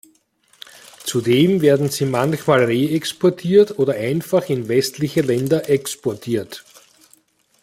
Zudem werden sie manchmal reexportiert oder einfach in westliche Länder exportiert.